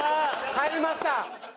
帰りました。